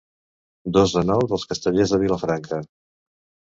Dos de nou dels Castellers de Vilafranca.